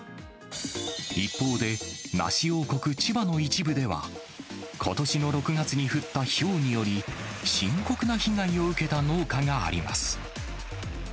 一方で、梨王国、千葉の一部では、ことしの６月に降ったひょうにより、深刻な被害を受けた農家があります。